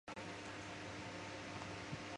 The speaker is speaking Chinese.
钯常用于烯烃或炔烃发生氢化反应的催化剂。